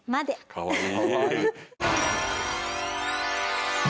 かわいい。